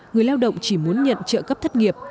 người lao động chỉ muốn nhận trợ cấp thất nghiệp